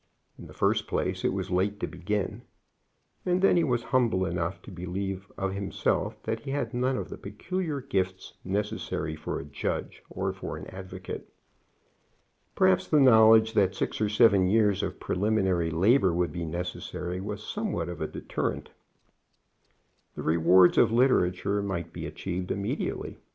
In the first place, it was late to begin; and then he was humble enough to believe of himself that he had none of the peculiar gifts necessary for a judge or for an advocate. Perhaps the knowledge that six or seven years of preliminary labor would be necessary was somewhat of a deterrent. The rewards of literature might be achieved immediately.